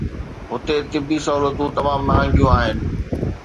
هتي طبي سهولتون تمام مهانگيون آهن.